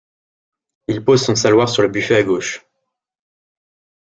Il pose son saloir sur le buffet à gauche.